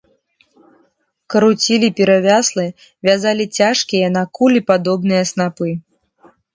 Круцілі перавяслы, вязалі цяжкія, на кулі падобныя снапы.